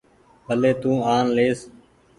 ڀلي تو آن ليس۔